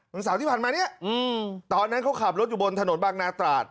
วันเสาร์ที่ผ่านมาเนี่ยตอนนั้นเขาขับรถอยู่บนถนนบางนาตราด